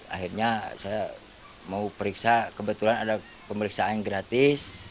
akhirnya saya mau periksa kebetulan ada pemeriksaan gratis